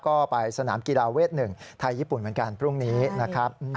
ก็ไปสนามกีฬาเวท๑ไทยญี่ปุ่นเหมือนกันพรุ่งนี้นะครับ